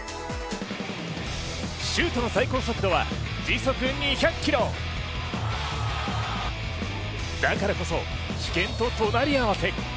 シュートの最高速度は時速２００キロだからこそ、危険と隣り合わせ。